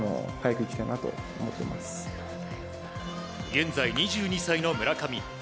現在２２歳の村上。